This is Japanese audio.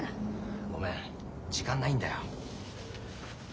ごめん時間ないんだよ。